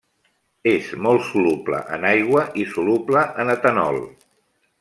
És molt soluble en aigua i soluble en etanol.